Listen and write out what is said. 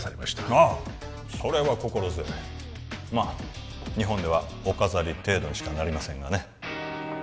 ああそれは心強いまあ日本ではおかざり程度にしかなりませんがね